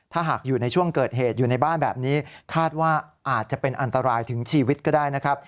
ถ้าหากอยู่ในช่วงเกิดเหตุอยู่ในบ้านแบบนี้คาดว่าอาจจะเป็นอันตรายถึงชีวิตก็ได้นะครับ